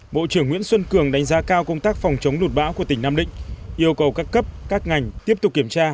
bộ trưởng nguyễn xuân cường đánh giá cao công tác phòng chống lụt bão của tỉnh nam định yêu cầu các cấp các ngành tiếp tục kiểm tra